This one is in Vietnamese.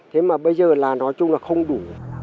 thế mà bây giờ là nói chung là không đủ